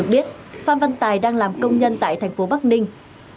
biết phan văn tài đang làm công nhân tại thành phố bắc ninh